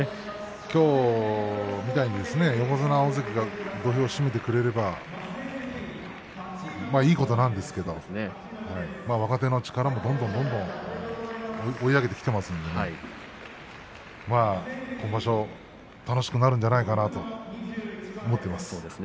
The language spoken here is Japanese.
きょうみたいに横綱、大関が土俵を締めてくれればいいことなんですけど若手の力もどんどん追い上げてきていますので今場所楽しくなるんじゃないかなと思っています。